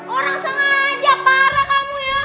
orang sengaja marah kamu ya